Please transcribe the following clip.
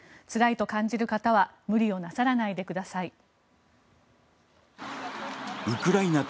つらいと感じる方は無理をなさらないでください。